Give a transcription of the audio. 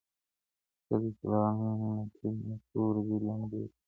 ښه دی چې لونگ نقيب مې تور دی لمبې کوي